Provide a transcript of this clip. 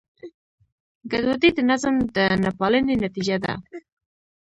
ګډوډي د نظم د نهپالنې نتیجه ده.